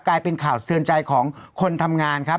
กลายเป็นข่าวเตือนใจของคนทำงานครับ